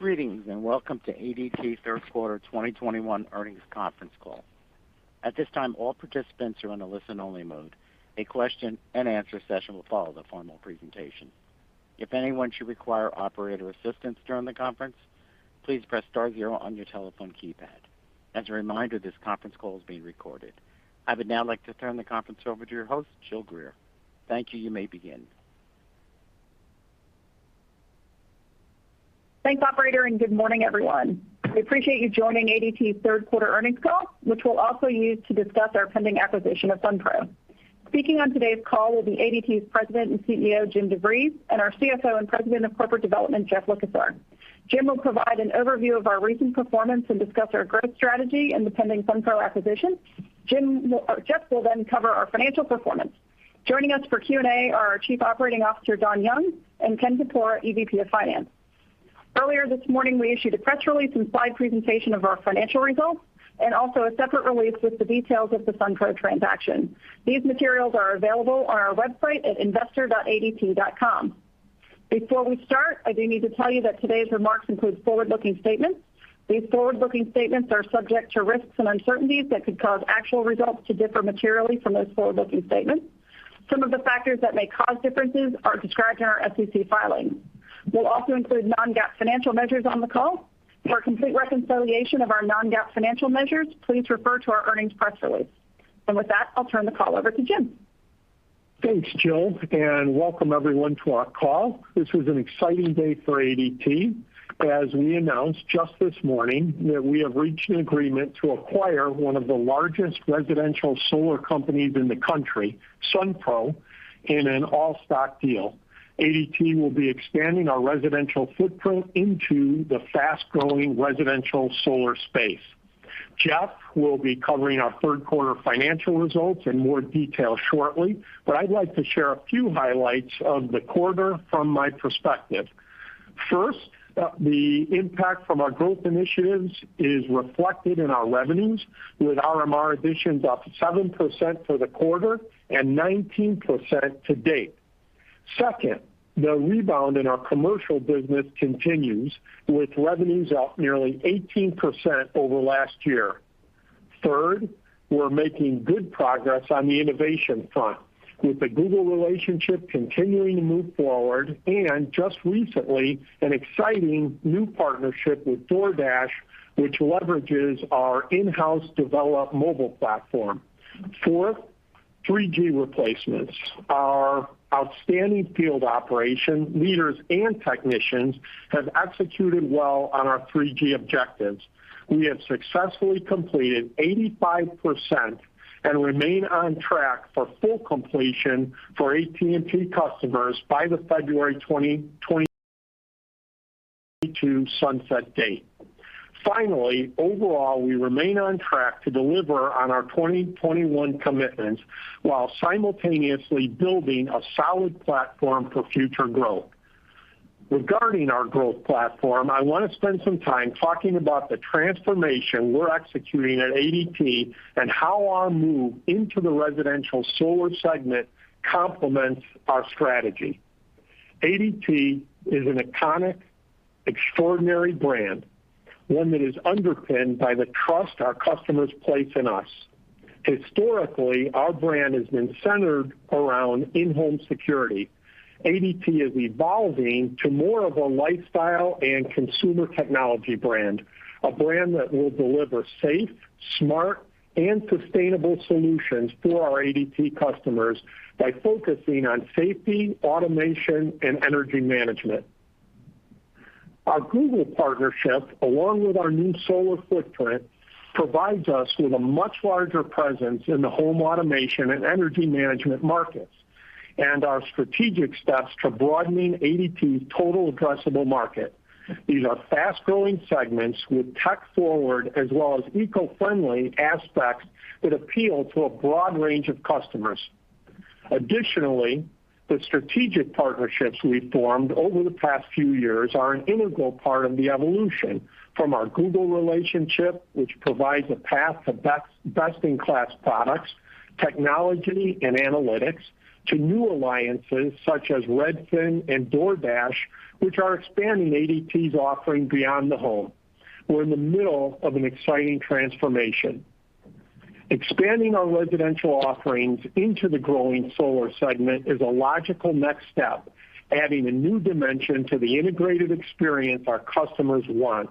Greetings, and welcome to ADT third quarter 2021 earnings conference call. At this time, all participants are in a listen-only mode. A question and answer session will follow the formal presentation. If anyone should require operator assistance during the conference, please press star zero on your telephone keypad. As a reminder, this conference call is being recorded. I would now like to turn the conference over to your host, Jill Greer. Thank you. You may begin. Thanks, operator, and good morning, everyone. We appreciate you joining ADT's third quarter earnings call, which we'll also use to discuss our pending acquisition of Sunpro. Speaking on today's call will be ADT's President and CEO, Jim DeVries, and our CFO and President of Corporate Development, Jeff Likosar. Jim will provide an overview of our recent performance and discuss our growth strategy and the pending Sunpro acquisition. Jeff will then cover our financial performance. Joining us for Q&A are our Chief Operating Officer, Don Young, and Ken Porpora, EVP of Finance. Earlier this morning, we issued a press release and slide presentation of our financial results, and also a separate release with the details of the Sunpro transaction. These materials are available on our website at investor.adt.com. Before we start, I do need to tell you that today's remarks include forward-looking statements. These forward-looking statements are subject to risks and uncertainties that could cause actual results to differ materially from those forward-looking statements. Some of the factors that may cause differences are described in our SEC filings. We'll also include non-GAAP financial measures on the call. For a complete reconciliation of our non-GAAP financial measures, please refer to our earnings press release. With that, I'll turn the call over to Jim. Thanks, Jill, and welcome everyone to our call. This is an exciting day for ADT as we announced just this morning that we have reached an agreement to acquire one of the largest residential solar companies in the country, Sunpro, in an all-stock deal. ADT will be expanding our residential footprint into the fast-growing residential solar space. Jeff will be covering our third quarter financial results in more detail shortly, but I'd like to share a few highlights of the quarter from my perspective. First, the impact from our growth initiatives is reflected in our revenues, with RMR additions up 7% for the quarter and 19% to date. Second, the rebound in our commercial business continues, with revenues up nearly 18% over last year. Third, we're making good progress on the innovation front, with the Google relationship continuing to move forward and just recently an exciting new partnership with DoorDash, which leverages our in-house developed mobile platform. Fourth, 3G replacements. Our outstanding field operation leaders and technicians have executed well on our 3G objectives. We have successfully completed 85% and remain on track for full completion for AT&T customers by the February 2022 sunset date. Finally, overall, we remain on track to deliver on our 2021 commitments while simultaneously building a solid platform for future growth. Regarding our growth platform, I want to spend some time talking about the transformation we're executing at ADT and how our move into the residential solar segment complements our strategy. ADT is an iconic, extraordinary brand, one that is underpinned by the trust our customers place in us. Historically, our brand has been centered around in-home security. ADT is evolving to more of a lifestyle and consumer technology brand, a brand that will deliver safe, smart, and sustainable solutions for our ADT customers by focusing on safety, automation, and energy management. Our Google partnership, along with our new solar footprint, provides us with a much larger presence in the home automation and energy management markets and are strategic steps to broadening ADT's total addressable market. These are fast-growing segments with tech-forward as well as eco-friendly aspects that appeal to a broad range of customers. Additionally, the strategic partnerships we've formed over the past few years are an integral part of the evolution from our Google relationship, which provides a path to best-in-class products, technology and analytics to new alliances such as Redfin and DoorDash, which are expanding ADT's offering beyond the home. We're in the middle of an exciting transformation. Expanding our residential offerings into the growing solar segment is a logical next step, adding a new dimension to the integrated experience our customers want.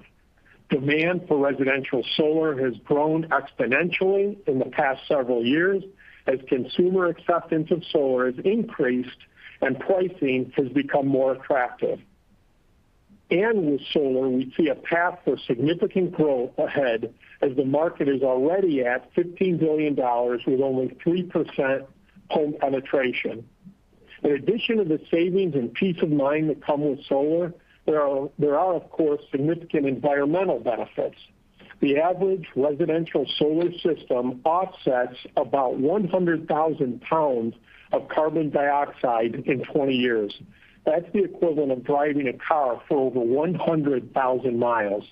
Demand for residential solar has grown exponentially in the past several years as consumer acceptance of solar has increased and pricing has become more attractive. With solar, we see a path for significant growth ahead as the market is already at $15 billion with only 3% home penetration. In addition to the savings and peace of mind that come with solar, there are of course significant environmental benefits. The average residential solar system offsets about 100,000 pounds of carbon dioxide in 20 years. That's the equivalent of driving a car for over 100,000 miles.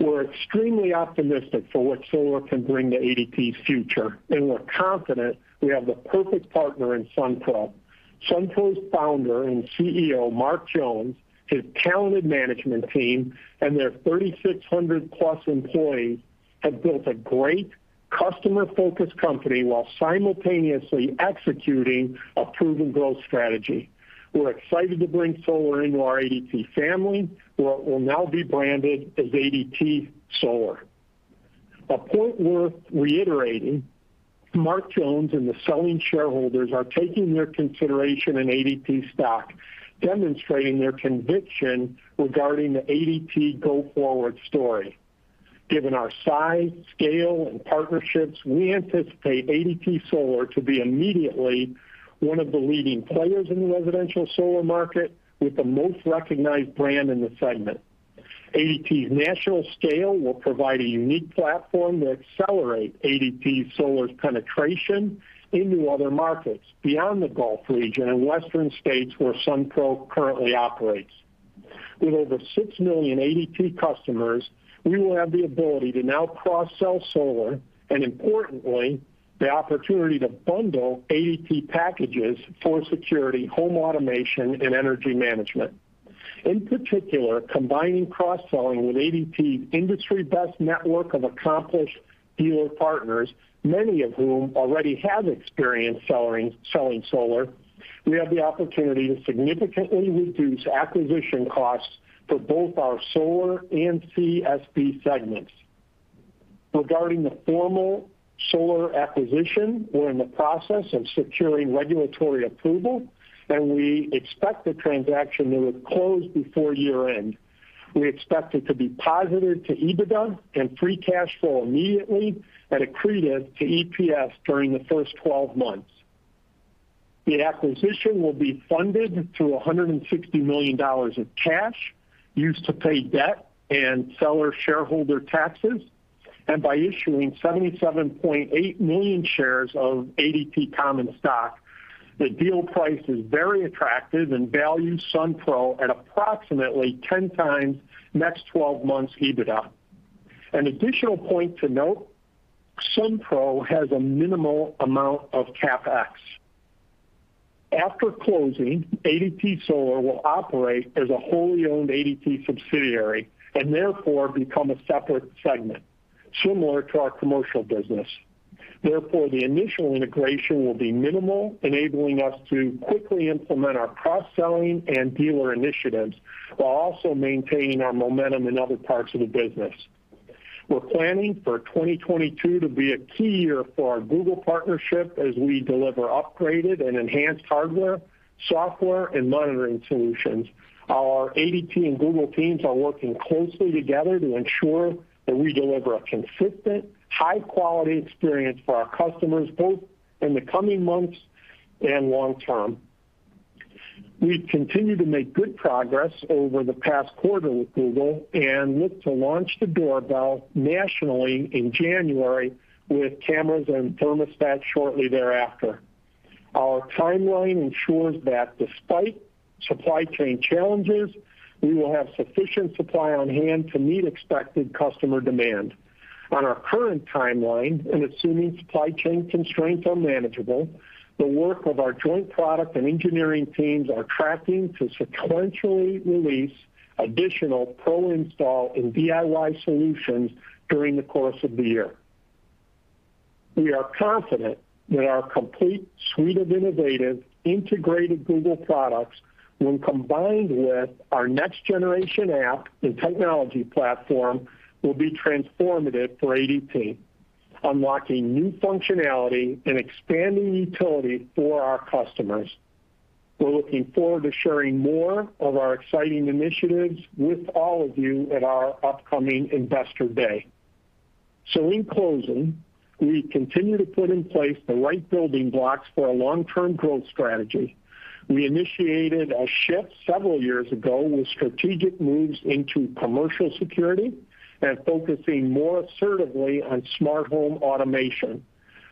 We're extremely optimistic for what solar can bring to ADT's future, and we're confident we have the perfect partner in Sunpro. Sunpro's founder and CEO, Marc Jones, his talented management team and their 3,600+ employees have built a great customer-focused company while simultaneously executing a proven growth strategy. We're excited to bring solar into our ADT family, what will now be branded as ADT Solar. A point worth reiterating, Marc Jones and the selling shareholders are taking their consideration in ADT stock, demonstrating their conviction regarding the ADT go-forward story. Given our size, scale and partnerships, we anticipate ADT Solar to be immediately one of the leading players in the residential solar market with the most recognized brand in the segment. ADT's national scale will provide a unique platform to accelerate ADT Solar's penetration into other markets beyond the Gulf region and western states where Sunpro currently operates. With over 6 million ADT customers, we will have the ability to now cross-sell solar and importantly, the opportunity to bundle ADT packages for security, home automation and energy management. In particular, combining cross-selling with ADT's industry best network of accomplished dealer partners, many of whom already have experience selling solar. We have the opportunity to significantly reduce acquisition costs for both our solar and CSB segments. Regarding the Sunpro Solar acquisition, we're in the process of securing regulatory approval, and we expect the transaction to have closed before year-end. We expect it to be positive to EBITDA and free cash flow immediately and accretive to EPS during the first 12 months. The acquisition will be funded through $160 million of cash used to pay debt and seller shareholder taxes and by issuing 77.8 million shares of ADT common stock. The deal price is very attractive and values Sunpro at approximately 10x next twelve months EBITDA. An additional point to note, Sunpro has a minimal amount of CapEx. After closing, ADT Solar will operate as a wholly owned ADT subsidiary and therefore become a separate segment similar to our commercial business. Therefore, the initial integration will be minimal, enabling us to quickly implement our cross-selling and dealer initiatives while also maintaining our momentum in other parts of the business. We're planning for 2022 to be a key year for our Google partnership as we deliver upgraded and enhanced hardware, software and monitoring solutions. Our ADT and Google teams are working closely together to ensure that we deliver a consistent, high quality experience for our customers, both in the coming months and long term. We continue to make good progress over the past quarter with Google and look to launch the doorbell nationally in January with cameras and thermostats shortly thereafter. Our timeline ensures that despite supply chain challenges, we will have sufficient supply on hand to meet expected customer demand. On our current timeline, and assuming supply chain constraints are manageable, the work of our joint product and engineering teams are tracking to sequentially release additional pro install and DIY solutions during the course of the year. We are confident that our complete suite of innovative integrated Google products, when combined with our next generation app and technology platform, will be transformative for ADT, unlocking new functionality and expanding utility for our customers. We're looking forward to sharing more of our exciting initiatives with all of you at our upcoming Investor Day. In closing, we continue to put in place the right building blocks for a long-term growth strategy. We initiated a shift several years ago with strategic moves into commercial security and focusing more assertively on smart home automation.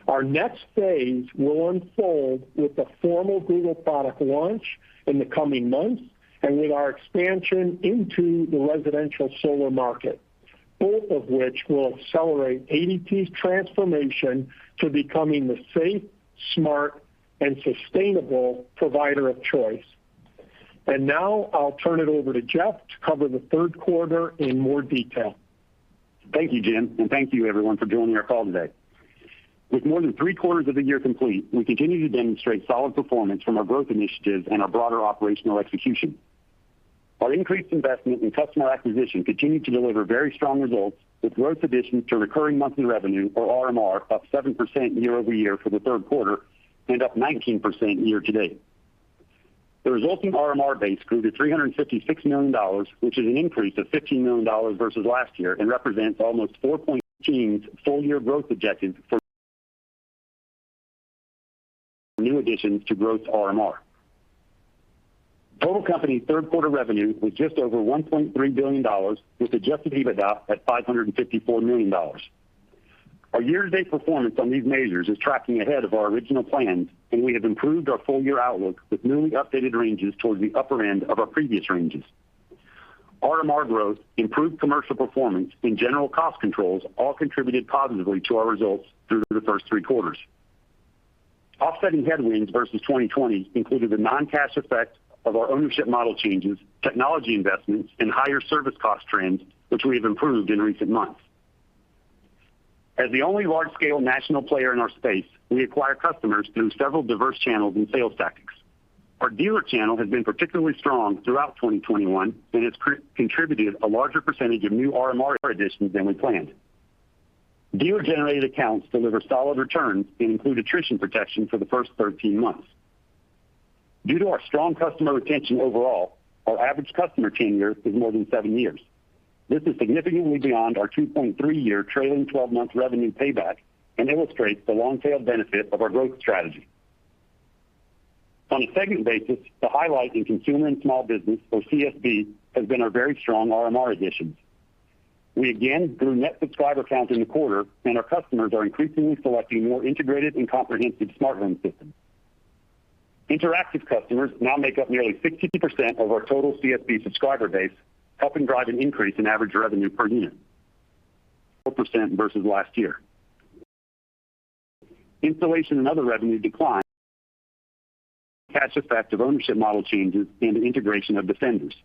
Our next phase will unfold with the formal Google product launch in the coming months and with our expansion into the residential solar market, both of which will accelerate ADT's transformation to becoming the safe, smart and sustainable provider of choice. Now I'll turn it over to Jeff to cover the third quarter in more detail. Thank you, Jim, and thank you everyone for joining our call today. With more than three-quarters of the year complete, we continue to demonstrate solid performance from our growth initiatives and our broader operational execution. Our increased investment in customer acquisition continued to deliver very strong results, with growth additions to recurring monthly revenue or RMR up 7% year-over-year for the third quarter and up 19% year to date. The resulting RMR base grew to $356 million, which is an increase of $15 million versus last year and represents almost full-year growth objective for new additions to growth RMR. Total company third quarter revenue was just over $1.3 billion, with adjusted EBITDA at $554 million. Our year-to-date performance on these measures is tracking ahead of our original plans, and we have improved our full year outlook with newly updated ranges towards the upper end of our previous ranges. RMR growth, improved commercial performance and general cost controls all contributed positively to our results through the first three quarters. Offsetting headwinds versus 2020 included the non-cash effect of our ownership model changes, technology investments and higher service cost trends, which we have improved in recent months. As the only large-scale national player in our space, we acquire customers through several diverse channels and sales tactics. Our dealer channel has been particularly strong throughout 2021 and has contributed a larger percentage of new RMR additions than we planned. Dealer-generated accounts deliver solid returns and include attrition protection for the first 13 months. Due to our strong customer retention overall, our average customer tenure is more than seven years. This is significantly beyond our 2.3-year trailing twelve-month revenue payback and illustrates the long-tail benefit of our growth strategy. On a segment basis, the highlight in Consumer and Small Business, or CSB, has been our very strong RMR additions. We again grew net subscriber counts in the quarter, and our customers are increasingly selecting more integrated and comprehensive smart home systems. Interactive customers now make up nearly 60% of our total CSB subscriber base, helping drive an increase in average revenue per unit, 4% versus last year. Installation and other revenue declined due to the SAC effect of ownership model changes and integration of Defenders.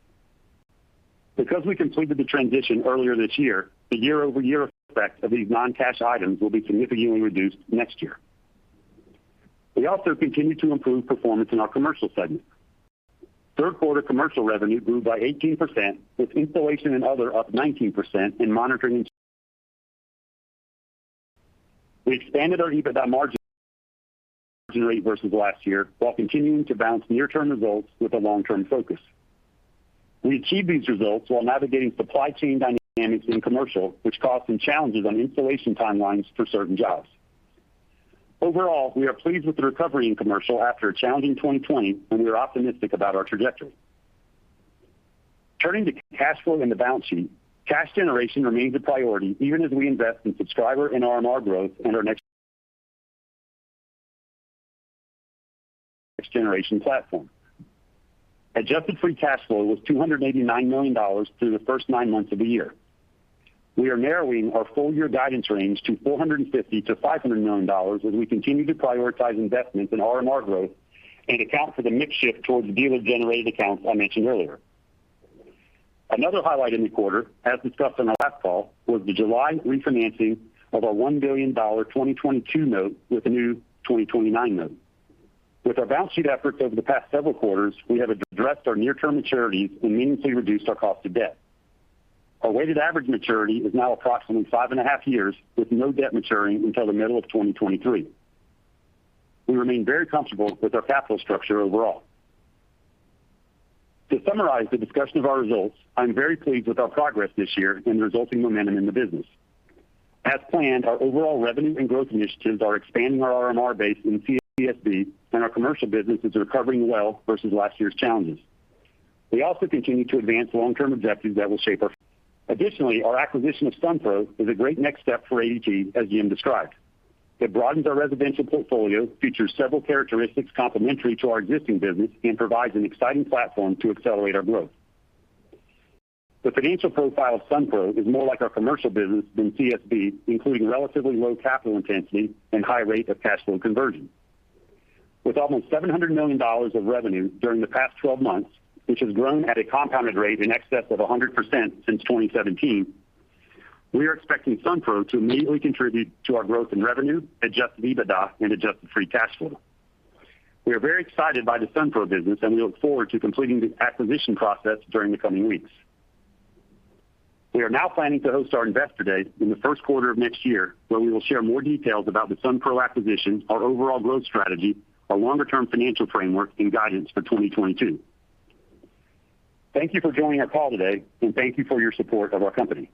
Because we completed the transition earlier this year, the year-over-year effect of these non-cash items will be significantly reduced next year. We also continued to improve performance in our commercial segment. Third quarter commercial revenue grew by 18%, with installation and other up 19% in monitoring and. We expanded our EBITDA margin rate versus last year while continuing to balance near-term results with a long-term focus. We achieved these results while navigating supply chain dynamics in commercial, which caused some challenges on installation timelines for certain jobs. Overall, we are pleased with the recovery in commercial after a challenging 2020, and we are optimistic about our trajectory. Turning to cash flow and the balance sheet, cash generation remains a priority even as we invest in subscriber and RMR growth and our next-generation platform. Adjusted free cash flow was $289 million through the first nine months of the year. We are narrowing our full year guidance range to $450 million-$500 million as we continue to prioritize investments in RMR growth and account for the mix shift towards dealer-generated accounts I mentioned earlier. Another highlight in the quarter, as discussed on our last call, was the July refinancing of our $1 billion 2022 note with a new 2029 note. With our balance sheet efforts over the past several quarters, we have addressed our near-term maturities and meaningfully reduced our cost of debt. Our weighted average maturity is now approximately 5.5 years, with no debt maturing until the middle of 2023. We remain very comfortable with our capital structure overall. To summarize the discussion of our results, I'm very pleased with our progress this year and the resulting momentum in the business. As planned, our overall revenue and growth initiatives are expanding our RMR base in CSB and our commercial business is recovering well versus last year's challenges. We also continue to advance long-term objectives that will shape our. Additionally, our acquisition of Sunpro is a great next step for ADT, as Jim described. It broadens our residential portfolio, features several characteristics complementary to our existing business, and provides an exciting platform to accelerate our growth. The financial profile of Sunpro is more like our commercial business than CSB, including relatively low capital intensity and high rate of cash flow conversion. With almost $700 million of revenue during the past 12 months, which has grown at a compounded rate in excess of 100% since 2017, we are expecting Sunpro to immediately contribute to our growth in revenue, adjusted EBITDA and adjusted free cash flow. We are very excited by the Sunpro business and we look forward to completing the acquisition process during the coming weeks. We are now planning to host our Investor Day in the first quarter of next year, where we will share more details about the Sunpro acquisition, our overall growth strategy, our longer term financial framework and guidance for 2022. Thank you for joining our call today, and thank you for your support of our company.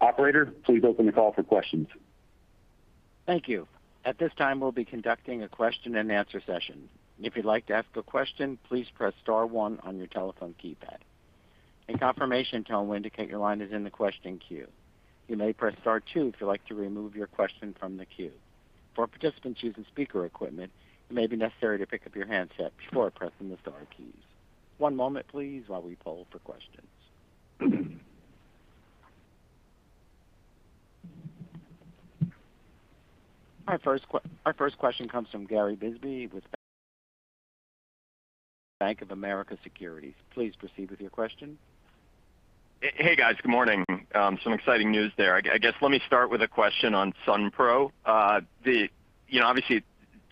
Operator, please open the call for questions. Thank you. At this time, we'll be conducting a question-and-answer session. If you'd like to ask a question, please press star one on your telephone keypad. A confirmation tone will indicate your line is in the question queue. You may press star two if you'd like to remove your question from the queue. For participants using speaker equipment, it may be necessary to pick up your handset before pressing the star keys. One moment please while we poll for questions. Our first question comes from Gary Bisbee with Bank of America Securities. Please proceed with your question. Hey, guys. Good morning. Some exciting news there. I guess let me start with a question on Sunpro. You know, obviously it's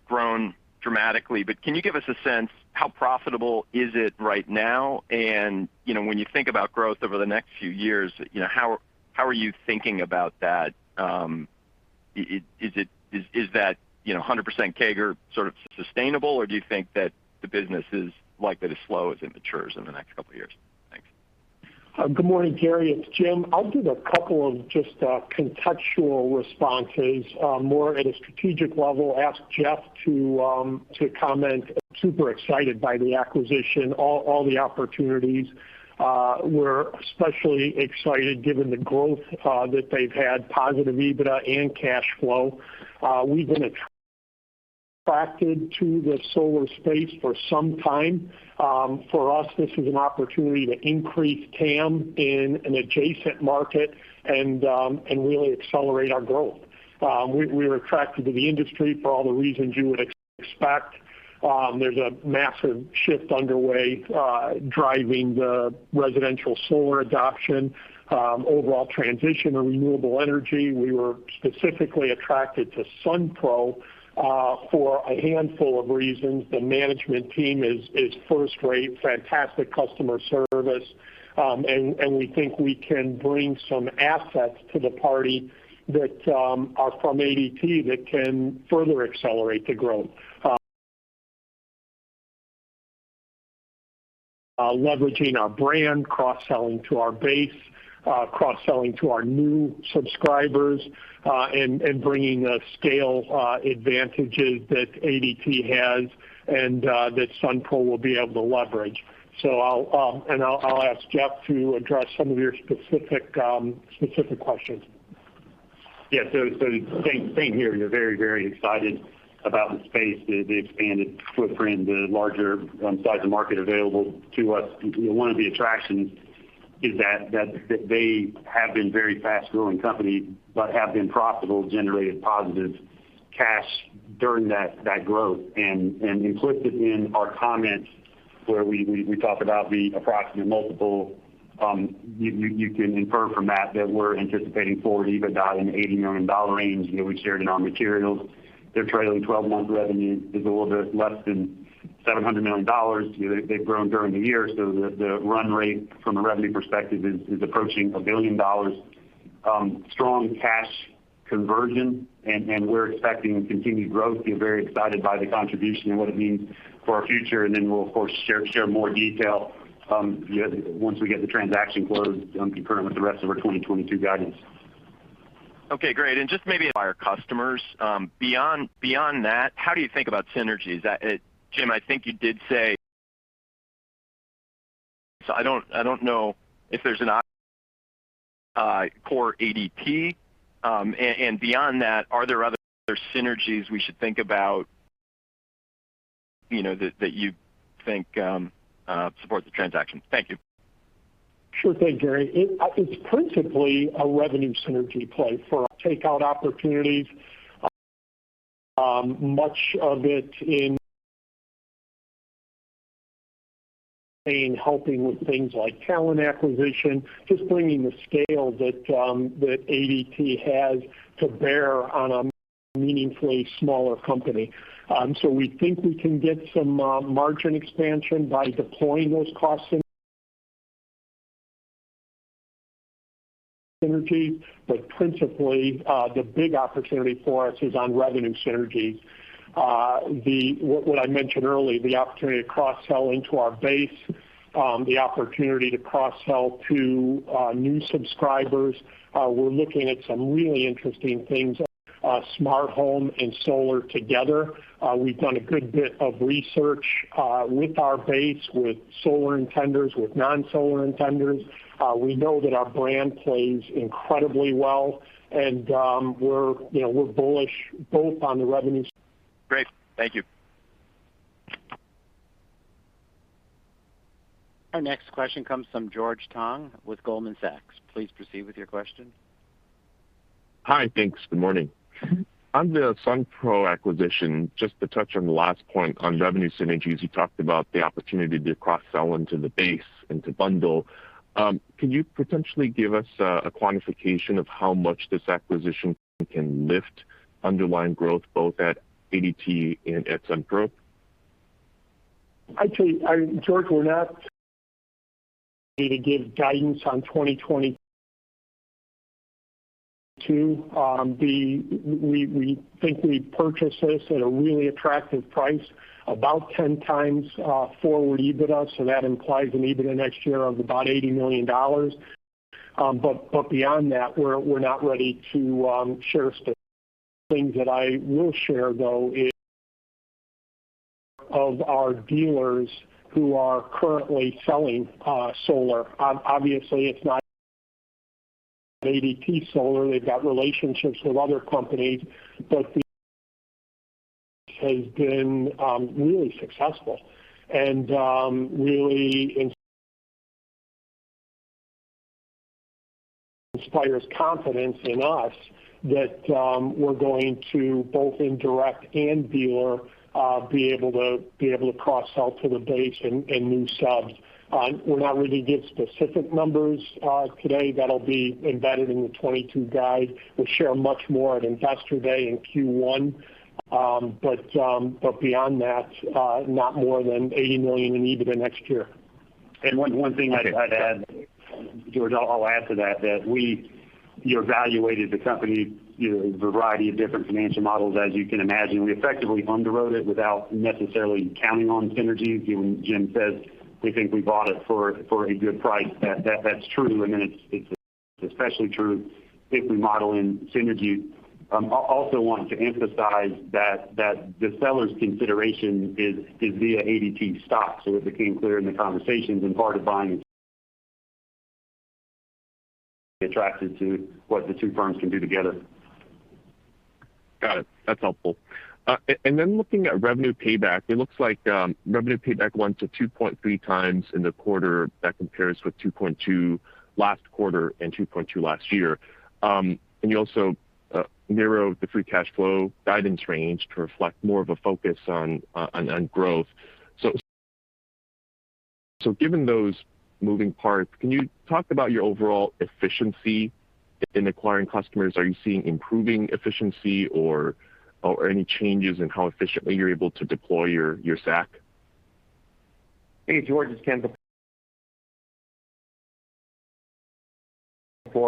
grown dramatically, but can you give us a sense how profitable is it right now? And, you know, when you think about growth over the next few years, you know, how are you thinking about that? Is it, you know, a 100% CAGR sort of sustainable, or do you think that the business is likely to slow as it matures in the next couple of years? Thanks. Good morning, Gary. It's Jim. I'll give a couple of contextual responses more at a strategic level, ask Jeff to comment. Super excited by the acquisition, all the opportunities. We're especially excited given the growth that they've had, positive EBITDA and cash flow. We've been attracted to the solar space for some time. For us, this is an opportunity to increase TAM in an adjacent market and really accelerate our growth. We're attracted to the industry for all the reasons you would expect. There's a massive shift underway driving the residential solar adoption overall transition to renewable energy. We were specifically attracted to Sunpro for a handful of reasons. The management team is first rate, fantastic customer service. We think we can bring some assets to the party that are from ADT that can further accelerate the growth. Leveraging our brand, cross-selling to our base, cross-selling to our new subscribers, and bringing the scale advantages that ADT has and that Sunpro will be able to leverage. I'll ask Jeff to address some of your specific questions. Yes. Same here. We're very excited about the space, the expanded footprint, the larger size of market available to us. One of the attractions is that they have been very fast-growing company, but have been profitable, generated positive cash during that growth. Implicit in our comments where we talk about the approximate multiple, you can infer from that we're anticipating forward EBITDA in the $80 million range that we shared in our materials. Their trailing twelve-month revenue is a little bit less than $700 million. They've grown during the year, so the run rate from a revenue perspective is approaching $1 billion. Strong cash conversion and we're expecting continued growth. We're very excited by the contribution and what it means for our future. We'll of course share more detail once we get the transaction closed, concurrent with the rest of our 2022 guidance. Okay, great. Just maybe by our customers, beyond that, how do you think about synergies? Jim, I don't know if there's anything for ADT. Beyond that, are there other synergies we should think about, you know, that you think support the transaction? Thank you. Sure thing, Gary. It's principally a revenue synergy play for takeout opportunities. Much of it helping with things like talent acquisition, just bringing the scale that ADT has to bear on a meaningfully smaller company. We think we can get some margin expansion by deploying those cost synergies. Principally, the big opportunity for us is on revenue synergies. What I mentioned earlier, the opportunity to cross-sell into our base, the opportunity to cross-sell to new subscribers. We're looking at some really interesting things, smart home and solar together. We've done a good bit of research with our base, with solar intenders, with non-solar intenders. We know that our brand plays incredibly well, and we're, you know, we're bullish both on the revenue- Great. Thank you. Our next question comes from George Tong with Goldman Sachs. Please proceed with your question. Hi. Thanks. Good morning. On the Sunpro acquisition, just to touch on the last point on revenue synergies, you talked about the opportunity to cross-sell into the base and to bundle. Can you potentially give us a quantification of how much this acquisition can lift underlying growth both at ADT and at Sunpro? I'd say, George, we're not ready to give guidance on 2022. We think we purchased this at a really attractive price, about 10x forward EBITDA, so that implies an EBITDA next year of about $80 million. But beyond that, we're not ready to share specifics. Things that I will share, though, is of our dealers who are currently selling solar. Obviously, it's not ADT Solar. They've got relationships with other companies. But that has been really successful and really inspires confidence in us that we're going to, both in direct and dealer, be able to cross-sell to the base and new subs. We'll not really give specific numbers today. That'll be embedded in the 2022 guide. We'll share much more at Investor Day in Q1. Beyond that, not more than $80 million in EBITDA next year. One thing I'd add, George, I'll add to that, we evaluated the company, you know, a variety of different financial models, as you can imagine. We effectively underwrote it without necessarily counting on synergies. Given what Jim says, we think we bought it for a good price. That's true, and then it's especially true if we model in synergies. I also want to emphasize that the seller's consideration is via ADT stock. It became clear in the conversations and part of buying, attracted to what the two firms can do together. Got it. That's helpful. Then looking at revenue payback, it looks like revenue payback went to 2.3x in the quarter that compares with 2.2x last quarter and 2.2x last year. You also narrowed the free cash flow guidance range to reflect more of a focus on growth. Given those moving parts, can you talk about your overall efficiency in acquiring customers? Are you seeing improving efficiency or any changes in how efficiently you're able to deploy your SAC? Hey, George, it's Ken.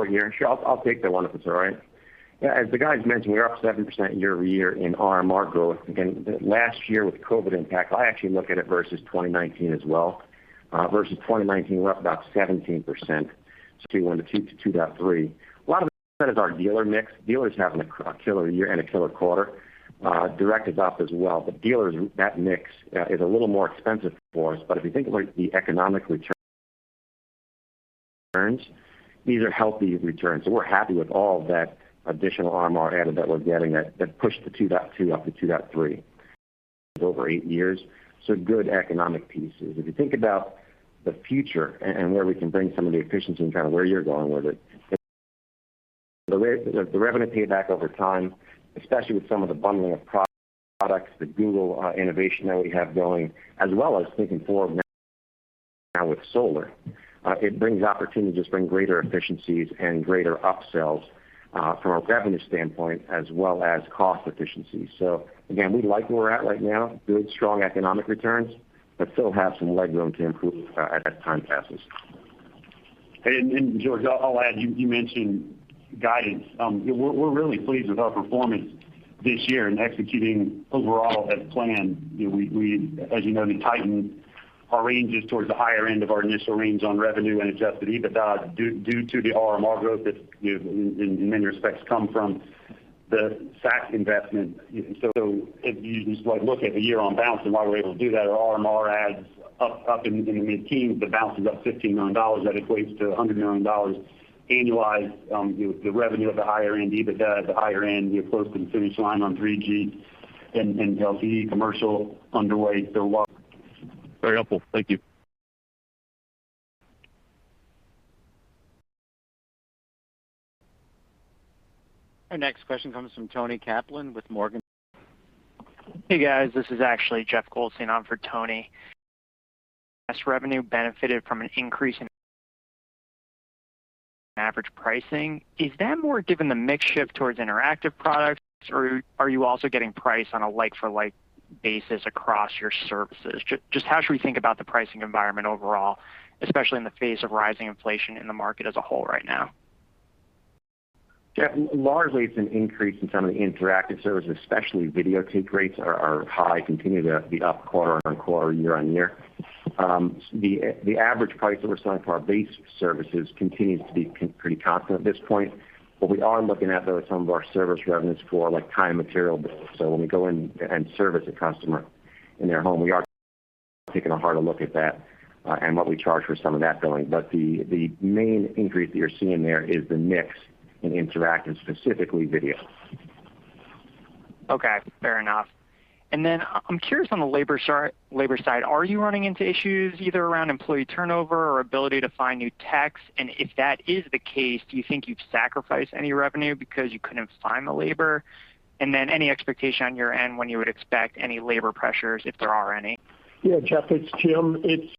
Here. Sure. I'll take that one if it's all right. As the guys mentioned, we are up 7% year-over-year in RMR growth. Again, the last year with COVID impact, I actually look at it versus 2019 as well. Versus 2019, we're up about 17% to 1.2-2.3. A lot of it is our dealer mix. Dealers having a killer year and a killer quarter, direct is up as well. Dealers, that mix, is a little more expensive for us. If you think about the economic return these are healthy returns. We're happy with all that additional RMR added that we're getting. That pushed the 2.2 up to 2.3 over 8 years, so good economic pieces. If you think about the future and where we can bring some of the efficiency and kind of where you're going with it. The way, the revenue payback over time, especially with some of the bundling of products, the Google innovation that we have going, as well as thinking forward now with solar, it brings opportunities to bring greater efficiencies and greater up-sells from a revenue standpoint as well as cost efficiencies. Again, we like where we're at right now, good, strong economic returns, but still have some leg room to improve as time passes. George, I'll add, you mentioned guidance. We're really pleased with our performance this year in executing overall as planned. You know, as you know, we tightened our ranges towards the higher end of our initial range on revenue and adjusted EBITDA due to the RMR growth that you know in many respects come from the SAC investment. If you just like look at the year on balance and why we're able to do that, our RMR adds up in the mid-teens, the balance is up $15 million. That equates to $100 million annualized, the revenue at the higher end, EBITDA at the higher end, we are close to the finish line on 3G and LTE commercial underway. Very helpful. Thank you. Our next question comes from Tony Kaplan with Morgan Stanley. Hey, guys, this is actually Jeff Goldstein on for Tony. Revenue benefited from an increase in average pricing. Is that more given the mix shift towards interactive products, or are you also getting priced on a like for like basis across your services? Just how should we think about the pricing environment overall, especially in the face of rising inflation in the market as a whole right now? Yeah, largely it's an increase in some of the interactive services, especially video take rates are high, continue to be up quarter-over-quarter, year-over-year. The average price that we're selling for our base services continues to be pretty constant at this point. What we are looking at, though, is some of our service revenues for like time and material bills. When we go in and service a customer in their home, we are taking a harder look at that and what we charge for some of that going. The main increase that you're seeing there is the mix in interactive, specifically video. Okay. Fair enough. I'm curious on the labor side, are you running into issues either around employee turnover or ability to find new techs? If that is the case, do you think you've sacrificed any revenue because you couldn't find the labor? Any expectation on your end when you would expect any labor pressures, if there are any? Yeah, Jeff, it's Jim. It's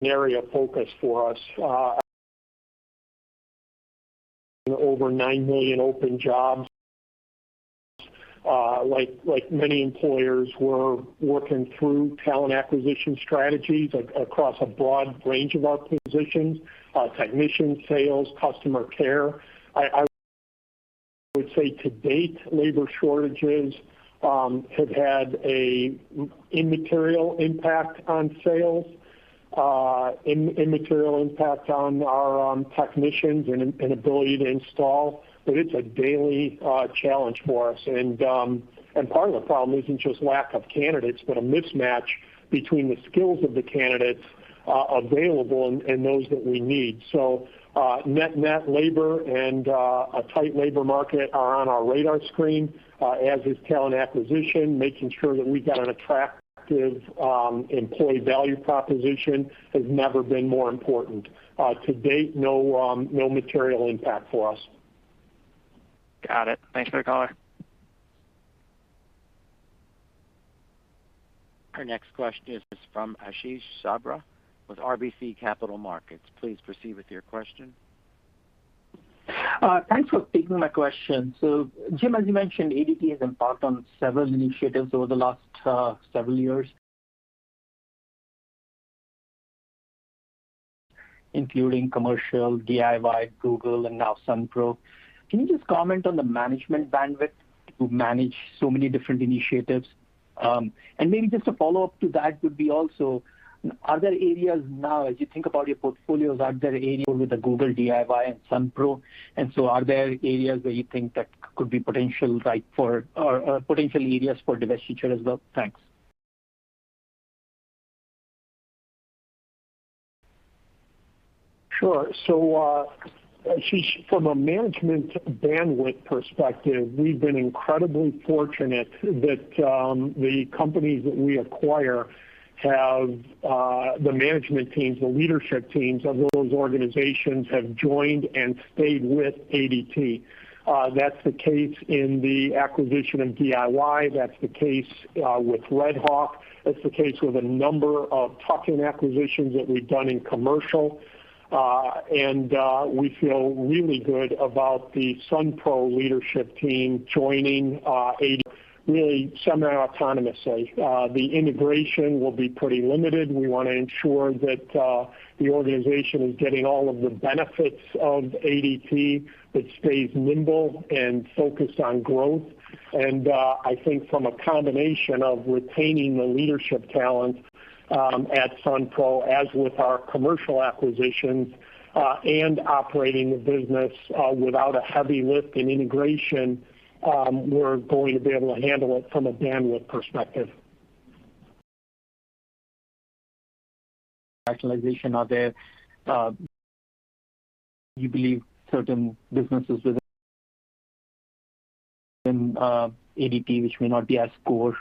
an area of focus for us. Over 9 million open jobs. Like many employers, we're working through talent acquisition strategies across a broad range of our positions, technicians, sales, customer care. I would say to date, labor shortages have had an immaterial impact on sales, immaterial impact on our technicians and ability to install. It's a daily challenge for us. Part of the problem isn't just lack of candidates, but a mismatch between the skills of the candidates available and those that we need. Net labor and a tight labor market are on our radar screen, as is talent acquisition. Making sure that we've got an attractive employee value proposition has never been more important. To date, no material impact for us. Got it. Thanks for the color. Our next question is from Ashish Sabadra with RBC Capital Markets. Please proceed with your question. Thanks for taking my question. Jim, as you mentioned, ADT has embarked on several initiatives over the last several years including commercial, DIY, Google, and now Sunpro. Can you just comment on the management bandwidth to manage so many different initiatives? Maybe just a follow-up to that would be also, are there areas now as you think about your portfolios with the Google, DIY, and Sunpro where you think that could be potential right for or potential areas for divestiture as well? Thanks. From a management bandwidth perspective, we've been incredibly fortunate that the companies that we acquire have the management teams, the leadership teams of those organizations have joined and stayed with ADT. That's the case in the acquisition of DIY. That's the case with Red Hawk. That's the case with a number of tuck-in acquisitions that we've done in commercial. We feel really good about the Sunpro leadership team joining really semi-autonomously. The integration will be pretty limited. We wanna ensure that the organization is getting all of the benefits of ADT, but stays nimble and focused on growth. I think from a combination of retaining the leadership talent at Sunpro, as with our commercial acquisitions, and operating the business without a heavy lift in integration, we're going to be able to handle it from a bandwidth perspective. Are there, you believe certain businesses within ADT which may not be as core,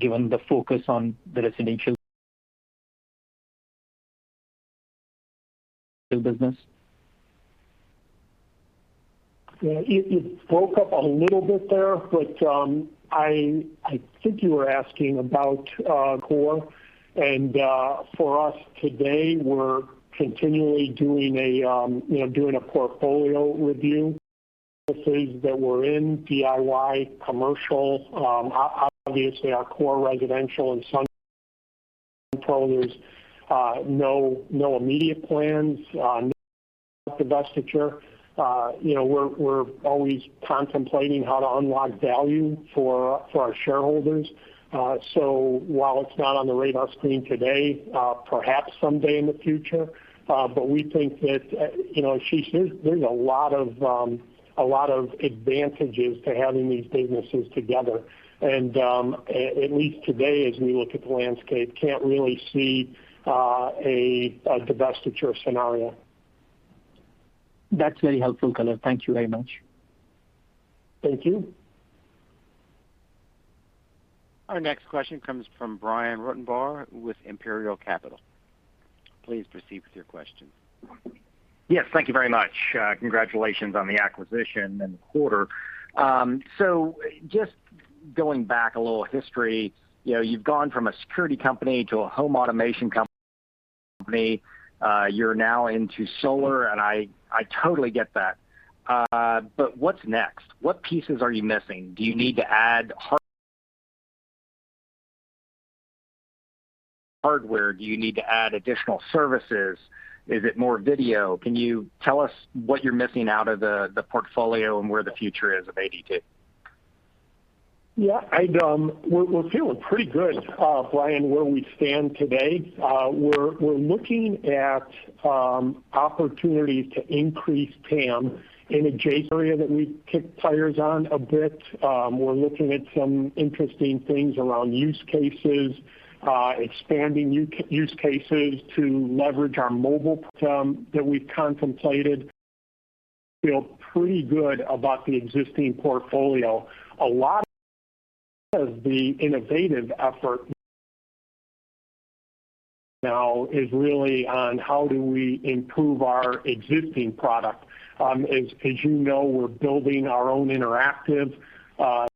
given the focus on the residential business? Yeah. It broke up a little bit there, but I think you were asking about core and for us today, we're continually doing a portfolio review. The places that we're in, DIY, commercial, obviously our core residential and Sunpro, there's no immediate plans, no divestiture. You know, we're always contemplating how to unlock value for our shareholders. So while it's not on the radar screen today, perhaps someday in the future, but we think that, you know, there's a lot of advantages to having these businesses together. At least today, as we look at the landscape, can't really see a divestiture scenario. That's very helpful, Caleb. Thank you very much. Thank you. Our next question comes from Brian Ruttenbur with Imperial Capital. Please proceed with your question. Yes, thank you very much. Congratulations on the acquisition and the quarter. Just going back a little history, you know, you've gone from a security company to a home automation company. You're now into solar, and I totally get that. What's next? What pieces are you missing? Do you need to add hardware? Do you need to add additional services? Is it more video? Can you tell us what you're missing out of the portfolio and where the future is of ADT? We're feeling pretty good, Brian, where we stand today. We're looking at opportunities to increase TAM in adjacent area that we've kicked tires on a bit. We're looking at some interesting things around use cases, expanding use cases to leverage our mobile platform that we've contemplated. Feel pretty good about the existing portfolio. A lot of the innovative effort now is really on how do we improve our existing product. As you know, we're building our own interactive product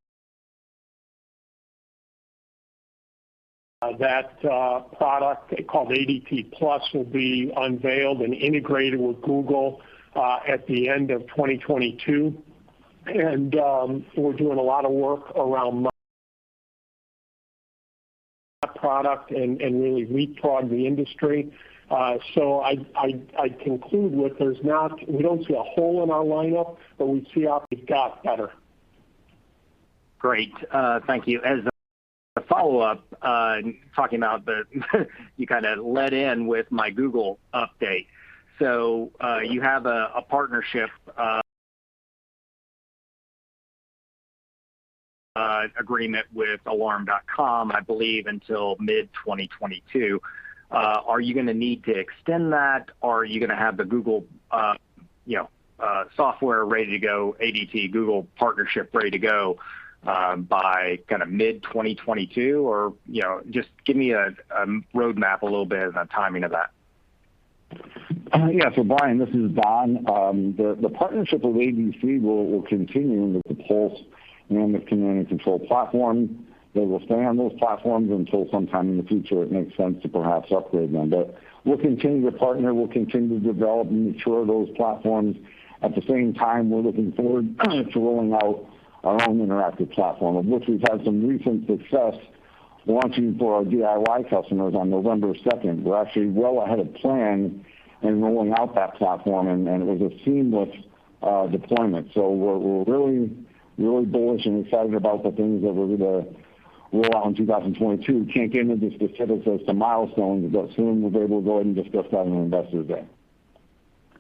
called ADT+ that will be unveiled and integrated with Google at the end of 2022. We're doing a lot of work around that product and really leapfrogging the industry. I'd conclude with, we don't see a hole in our lineup, but we see opportunities to get better. Great. Thank you. As a follow-up, talking about the one you kinda led in with my Google update. You have a partnership agreement with Alarm.com, I believe until mid-2022. Are you gonna need to extend that? Or are you gonna have the Google, you know, software ready to go, ADT Google partnership ready to go, by kinda mid-2022? Or, you know, just give me a roadmap a little bit on timing of that. Yeah, Brian, this is Don. The partnership with Alarm.com will continue with the Pulse and the Command and Control platform. They will stay on those platforms until sometime in the future it makes sense to perhaps upgrade them. We'll continue to partner. We'll continue to develop and mature those platforms. At the same time, we're looking forward to rolling out our own interactive platform, of which we've had some recent success launching for our DIY customers on November second. We're actually well ahead of plan in rolling out that platform, and it was a seamless deployment. We're really bullish and excited about the things that we're gonna roll out in 2022. Can't get into the specifics of some milestones, but soon we'll be able to go ahead and discuss that on Investors Day.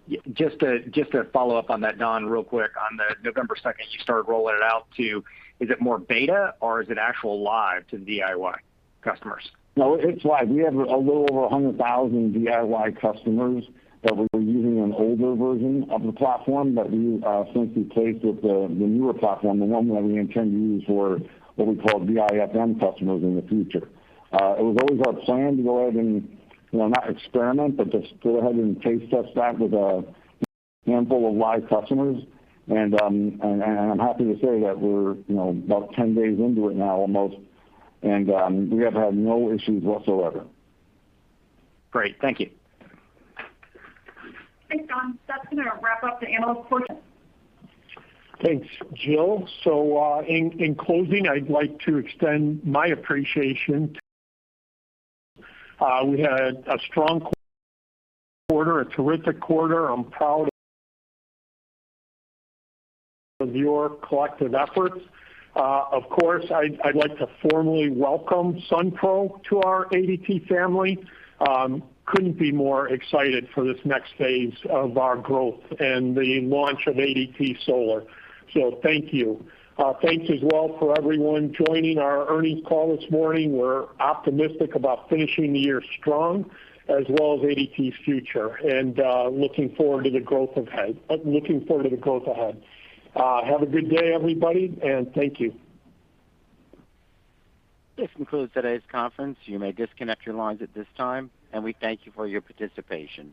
Yeah. Just to follow up on that, Don, real quick. On November 2, you started rolling it out. Is it more beta or actually live to DIY customers? No, it's live. We have a little over 100,000 DIY customers that were using an older version of the platform that we simply replaced with the newer platform, the one that we intend to use for what we call DIFM customers in the future. It was always our plan to go ahead and, you know, not experiment, but just go ahead and taste test that with a handful of live customers. I'm happy to say that we're, you know, about 10 days into it now almost, and we have had no issues whatsoever. Great. Thank you. Thanks, Don. That's gonna wrap up the analyst portion. Thanks, Jill. In closing, I'd like to extend my appreciation. We had a strong quarter, a terrific quarter. I'm proud of your collective efforts. Of course, I'd like to formally welcome Sunpro to our ADT family. Couldn't be more excited for this next phase of our growth and the launch of ADT Solar. Thank you. Thanks as well for everyone joining our earnings call this morning. We're optimistic about finishing the year strong as well as ADT's future, and looking forward to the growth ahead. Have a good day, everybody, and thank you. This concludes today's conference. You may disconnect your lines at this time, and we thank you for your participation.